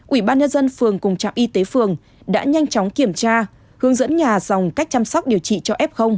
ủy ban nhân dân phường cùng trạm y tế phường đã nhanh chóng kiểm tra hướng dẫn nhà dòng cách chăm sóc điều trị cho f